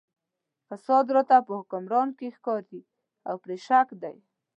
فساد راته په حکمران کې ښکاري او پرې شک دی.